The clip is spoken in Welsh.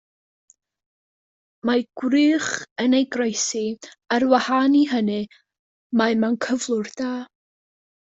Mae gwrych yn ei groesi; ar wahân i hynny mae mewn cyflwr da.